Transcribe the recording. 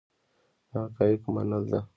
د حقایقو منل ده.